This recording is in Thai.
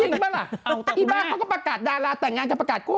จริงหรือเปล่าไอ้บ้านเขาก็ประกาศดาราแต่งงานจะประกาศ